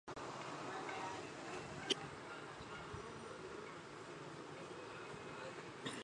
তিনি তার কলেজের বালিকা বাস্কেটবল দলের অধিনায়ক ছিলেন।